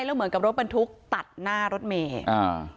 แล้วเหมือนกับรถบรรทุกตัดหน้ารถเมย์อ่า